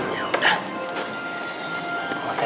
ya udah aku pulang dulu ya